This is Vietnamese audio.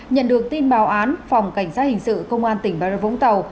nhận được tin báo án phòng cảnh sát hình sự công an tỉnh bà rất võng tàu